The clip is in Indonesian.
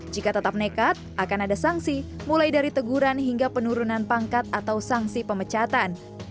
jika tetap nekat akan ada sanksi mulai dari teguran hingga penurunan pangkat atau sanksi pemecatan